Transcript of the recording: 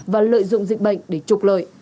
và lợi dụng dịch bệnh để trục lợi